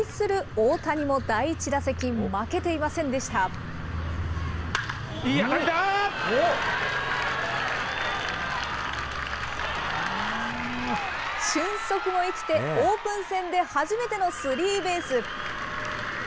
俊足も生きて、オープン戦で初めてのスリーベース。